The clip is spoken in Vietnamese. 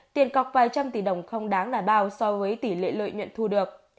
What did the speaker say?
tiền cọc vài trăm tỷ đồng không đáng là bao so với tỷ lệ lợi nhuận thu được